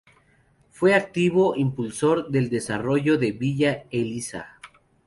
Fue activo impulsor del desarrollo de Villa Elisa.